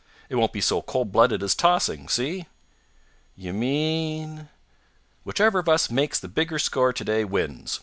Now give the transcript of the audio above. It won't be so cold blooded as tossing. See?" "You mean ?" "Whichever of us makes the bigger score today wins.